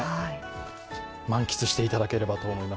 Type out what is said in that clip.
満喫していただければと思います。